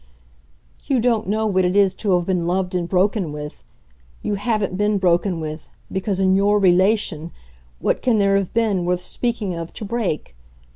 "You don't know what it is to have been loved and broken with. You haven't been broken with, because in your RELATION what can there have been, worth speaking of, to break?